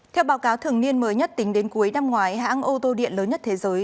theo báo cáo thường niên mới nhất tính đến cuối năm ngoái hãng ô tô điện lớn nhất thế giới